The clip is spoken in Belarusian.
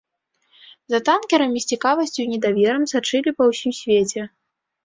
За танкерамі з цікавасцю і недаверам сачылі па ўсім свеце.